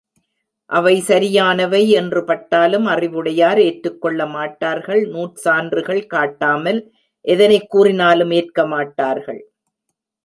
அவை சரியானவை என்று பட்டாலும் அறிவுடையார் ஏற்றுக்கொள்ளமாட்டார்கள் நூற் சான்றுகள் காட்டாமல் எதனைக் கூறினாலும் ஏற்க மாட்டார்கள்.